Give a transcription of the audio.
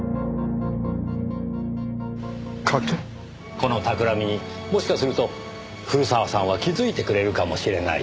この企みにもしかすると古澤さんは気づいてくれるかもしれないと。